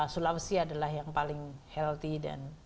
sulawesi adalah yang paling healthy dan